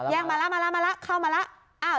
มาแล้วมาแล้วมาแล้วเข้ามาแล้ว